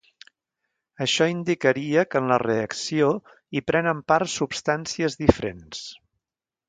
Això indicaria que en la reacció hi prenen part substàncies diferents.